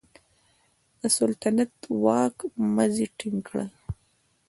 د سلطنت د واک مزي ټینګ کړل.